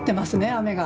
雨が。